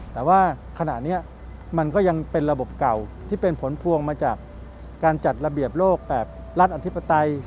แต่ว่าขณะนี้มันก็ยังเป็นระบบเก่าที่เป็นผลพวงมาจากการจัดระเบียบโลกแบบรัฐอธิปไตย